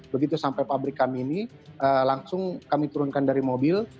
begitu sampai pabrik kami ini langsung kami turunkan dari mobil